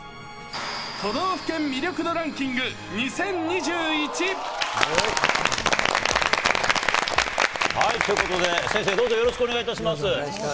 都道府県魅力度ランキング２０２１。ということで、先生、どうぞよろしくお願いします。